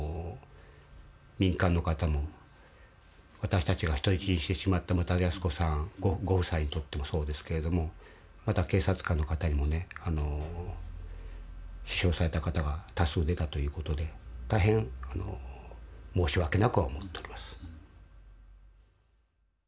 民間の方も私たちが人質にしてしまった牟田泰子さんご夫妻にとってもそうですけれどもまた警察官の方にもね死傷された方が多数出たという事で大変申し訳なくは思っております。